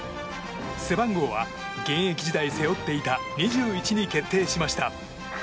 背番号は現役時代背負っていた２１に決定しました。